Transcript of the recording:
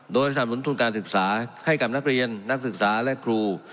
โดยสนับหนุนทุนการศึกษาให้กับนักเรียนนักศึกษาและครู